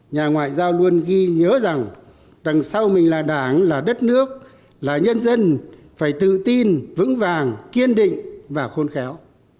nhà ngoại giao luôn ghi nhớ rằng đằng sau mình là đảng là đất nước là nhân dân phải tự tin vững vàng kiên định và khôn khéo